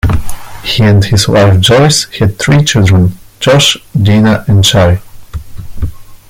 He and his wife Joyce had three children - Josh, Deena and Shari.